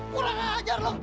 kurang ajar lo